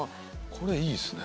これいいですね。